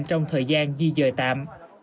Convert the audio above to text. trong thời gian di dời tạm